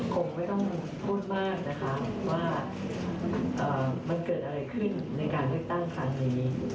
คงไม่ต้องพูดมากนะคะว่ามันเกิดอะไรขึ้นในการเลือกตั้งครั้งนี้